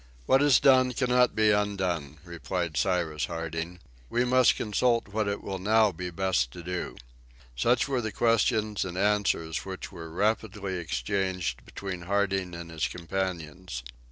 "What is done cannot be undone," replied Cyrus Harding. "We must consult what it will now be best to do." Such were the questions and answers which were rapidly exchanged between Harding and his companions.